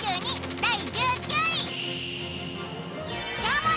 第１９位。